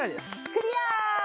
クリアー！